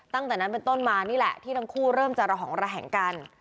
ตั้งแต่นั้นเป็นต้นมานี่แหละที่ทั้งคู่เริ่มจะระหองระแหงกัน